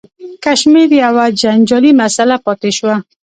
کشمیر یوه جنجالي مسله پاتې شوه.